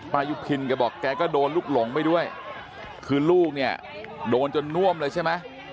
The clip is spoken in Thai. ยุพินแกบอกแกก็โดนลูกหลงไปด้วยคือลูกเนี่ยโดนจนน่วมเลยใช่ไหม